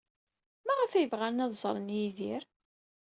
Maɣef ay bɣan ad ẓren Yidir?